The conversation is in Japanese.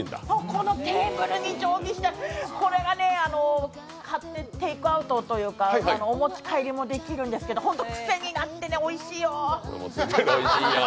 このテーブルに常備したテイクアウトというかお持ち帰りもできるんですけどホントくせになって、おいしいよ。